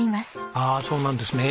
ああそうなんですね。